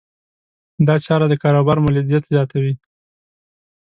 دا چاره د کاروبار مولدیت زیاتوي.